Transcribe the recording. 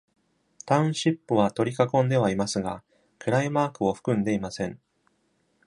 タウンシップは取り囲んではいますが、クライマー区を含んでいません。